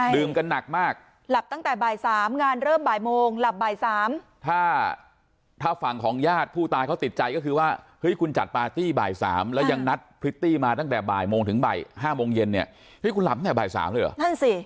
กันหนักมากหลับตั้งแต่บ่ายสามงานเริ่มบ่ายโมงหลับบ่ายสามถ้าถ้าฝั่งของญาติผู้ตายเขาติดใจก็คือว่าเฮ้ยคุณจัดปาร์ตี้บ่ายสามแล้วยังนัดพริตตี้มาตั้งแต่บ่ายโมงถึงบ่าย๕โมงเย็นเนี่ยเฮ้ยคุณหลับตั้งแต่บ่ายสามเลยเหรอนั่นสิ